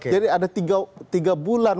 jadi ada tiga bulan